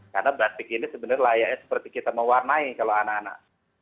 karena batik ini sebenarnya layaknya seperti kita mewarnai kalau anak anak